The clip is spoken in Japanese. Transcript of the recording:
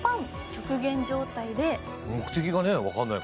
極限状態で。